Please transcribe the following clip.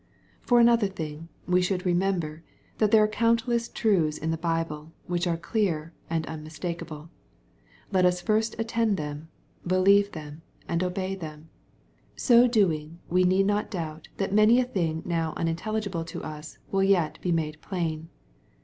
— For another thing, we should remember, that there are countless truths in the Bible, which are clear, and unmistakeable. Let us first attend them, believe them, and obey them. So doing, we need not doubt that many a thing now unintelligible to us will yet be made plain.